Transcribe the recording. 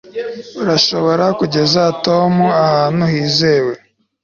urashobora kugeza tom ahantu hizewe